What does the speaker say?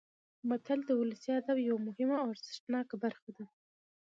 متل د ولسي ادب یوه مهمه او ارزښتناکه برخه ده